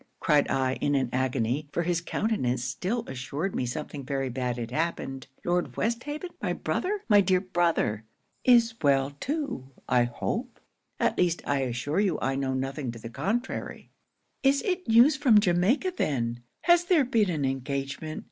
cried I, in an agony (for his countenance still assured me something very bad had happened) "Lord Westhaven my brother, my dear brother!" '"Is well too, I hope at least I assure you I know nothing to the contrary." '"Is it news from Jamaica then? Has there been an engagement.